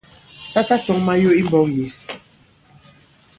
Sa tatɔ̄ŋ mayo i mbɔ̄k yěs.